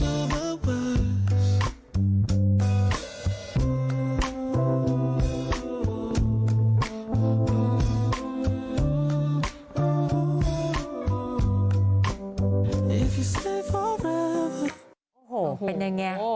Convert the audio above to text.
โอ้โหเป็นยังไง